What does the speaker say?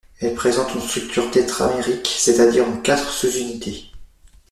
Elle présente une structure tétramérique c'est-à-dire en quatre sous-unités.